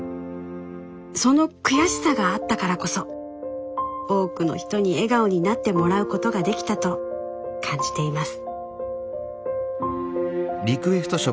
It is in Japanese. その悔しさがあったからこそ多くの人に笑顔になってもらうことができたと感じています。